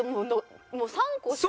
もう３個しか。